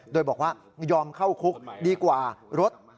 โดยบอกว่ายอมเข้าคุกดีกว่ารถ